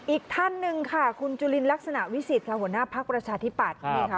อีกท่านหนึ่งค่ะคุณจุลินลักษณะวิสิทธิค่ะหัวหน้าพักประชาธิปัตย์นะคะ